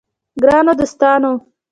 ګرانو دوستانو!